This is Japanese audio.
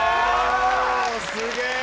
すげえ！